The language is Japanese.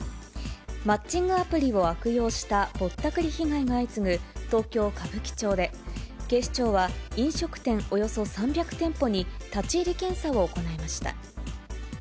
マッチングアプリを悪用したぼったくり被害が相次ぐ東京・歌舞伎町で、警視庁は、飲食店およそ３００店舗に立ち入り検査を行いました。